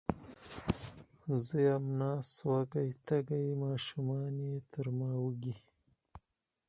زه یم ناسته وږې، تږې، ماشومانې تر ما وږي